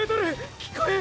聞こえん。